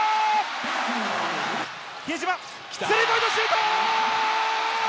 比江島、スリーポイントシュート！